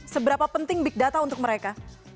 seberapa penting big data untuk mereka